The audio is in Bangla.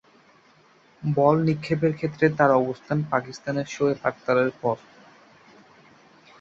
বল নিক্ষেপের ক্ষেত্রে তার অবস্থান পাকিস্তানের শোয়েব আখতারের পর।